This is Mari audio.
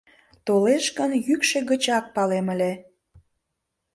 Толеш гын, йӱкшӧ гычак палем ыле